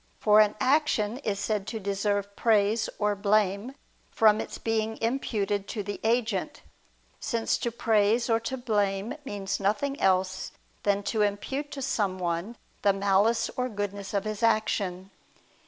For an action is said to deserve praise or blame, from its being imputed to the agent: since to praise or to blame means nothing else than to impute to someone the malice or goodness of his action.